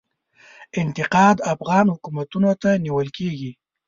انتقاد افغان حکومتونو ته نیول کیږي.